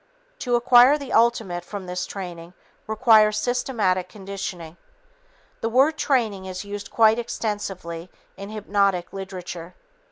To acquire the ultimate from this training requires systematic conditioning. The word "training" is used quite extensively in hypnotic literature.